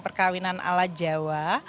perkawinan ala jawa